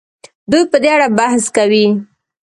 دوی په دې اړه بحث کوي.